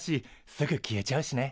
すぐ消えちゃうしね。